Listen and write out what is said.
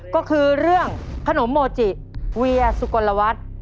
ก็คือเรื่องขนมโมจิเวียสุกลวัฒน์